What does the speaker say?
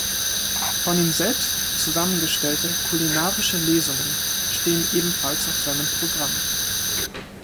Von ihm selbst zusammengestellte „kulinarische Lesungen“ stehen ebenfalls auf seinem Programm.